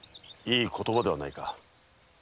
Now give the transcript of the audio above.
いい言葉ではないか。